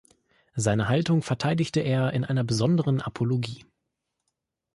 Seine Haltung verteidigte er in einer besonderen Apologie.